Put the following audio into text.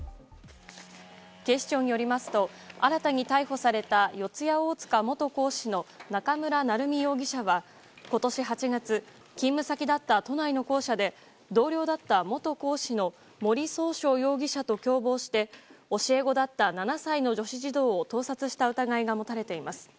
警視庁によりますと新たに逮捕された四谷大塚元講師の中村成美容疑者は今年８月、勤務先だった都内の校舎で同僚だった元講師の森崇翔容疑者と共謀して教え子だった７歳の女子児童を盗撮した疑いが持たれています。